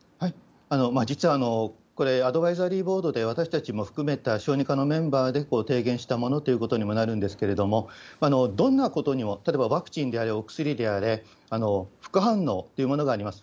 実はこれ、アドバイザリーボードで、私たちも含めた小児科のメンバーで提言したものということにもなるんですけれども、どんなことも、例えばワクチンであれ、お薬であれ、副反応というものがあります。